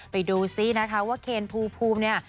ไปดูซินะคะว่าเคนภูมิเนี่ย